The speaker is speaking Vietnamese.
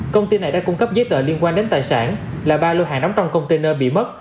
công ty này đã cung cấp giấy tờ liên quan đến tài sản là ba lô hàng đóng trong container bị mất